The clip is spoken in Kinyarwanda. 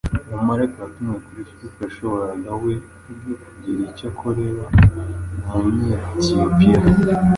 Umumarayika watumwe kuri Filipo yashoboraga we ubwe kugira icyo akorera umunyetiyopiya,